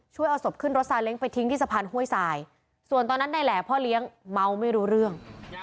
เอาศพขึ้นรถซาเล้งไปทิ้งที่สะพานห้วยสายส่วนตอนนั้นนายแหล่พ่อเลี้ยงเมาไม่รู้เรื่อง